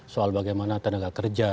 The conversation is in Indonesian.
soal bagaimana tenaga kerja